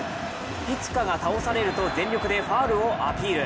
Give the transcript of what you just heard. ピトゥカが倒されると全力でファウルをアピール。